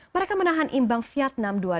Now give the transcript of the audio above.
mereka menahan imbang fiat enam ratus dua puluh dua